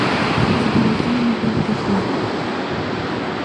Зегь мазеины ирҭахуп…